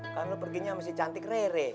kan lo perginya sama si cantik rere